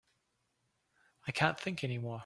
I can't think any more.